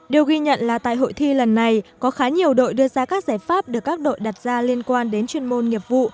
điều ghi nhận là tại hội thi lần này có khá nhiều đội đưa ra các giải pháp được các đội đặt ra liên quan đến chuyên môn nghiệp vụ